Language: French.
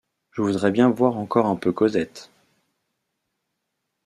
Je voudrais bien voir encore un peu Cosette.